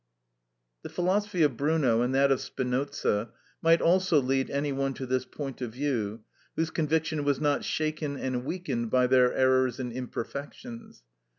The philosophy of Bruno and that of Spinoza might also lead any one to this point of view whose conviction was not shaken and weakened by their errors and imperfections.